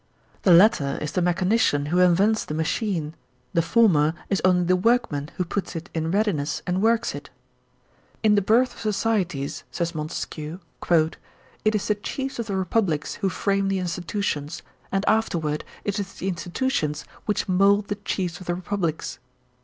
The latter is the mechanician who invents the machine, the former is only the workman who puts it in readiness and works it ^ In the birth of societies,' says Montesquieu, ^it is the chiefs of the republics who frame the institutions, and afterward it is the institu tions which mold the chiefs of the republics.'